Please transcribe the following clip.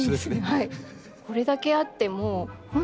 はい。